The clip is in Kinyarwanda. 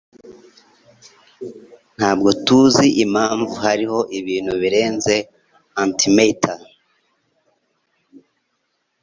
Ntabwo tuzi impamvu hariho ibintu birenze antimatter.